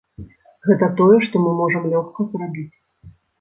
Гэта тое, што мы можам лёгка зрабіць.